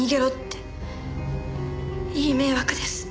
いい迷惑です。